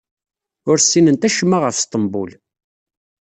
Ur ssinent acemma ɣef Sṭembul.